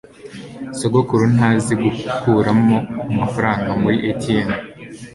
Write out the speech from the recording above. sogokuru ntazi gukuramo amafaranga muri atm